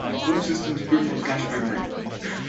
All systems boot from flash memory.